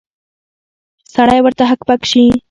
سړی ورته هک پک شي.